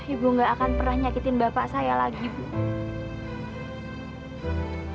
ibu gak akan pernah nyakitin bapak saya lagi bu